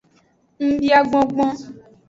Ngubia gbongbon.